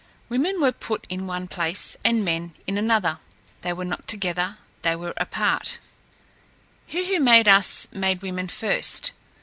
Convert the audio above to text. Women were put in one place and men in another. They were not together; they were apart. He who made us made women first.